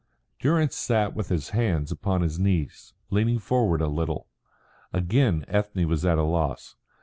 Durrance sat with his hands upon his knees, leaning forward a little. Again Ethne was at a loss.